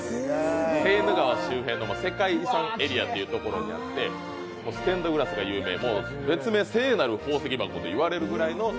セーヌ川周辺の世界遺産エリアにあって、ステンドグラスが有名、別名・聖なる宝石箱と言われるくらい。